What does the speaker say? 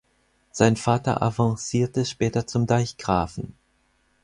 Sein Vater avancierte später zum Deichgrafen.